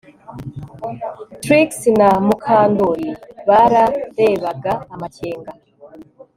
Trix na Mukandoli bararebaga amakenga